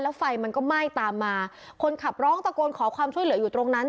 แล้วไฟมันก็ไหม้ตามมาคนขับร้องตะโกนขอความช่วยเหลืออยู่ตรงนั้น